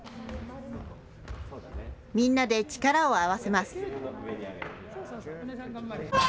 みんなで力を合わせます。